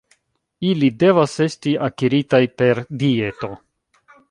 Ili devas esti akiritaj per dieto.